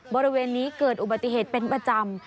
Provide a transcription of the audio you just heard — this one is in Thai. บริเวณนี้เกิดอุบัติเหตุเป็นประจำ